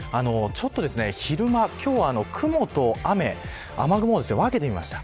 昼間、今日は雲と雨雨雲を分けてみました。